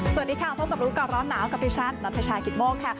สวัสดีค่ะพบกับรู้ก่อนร้อนหนาวกับดิฉันนัทชายกิตโมกค่ะ